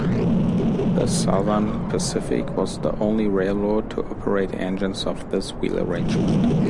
The Southern Pacific was the only railroad to operate engines of this wheel arrangement.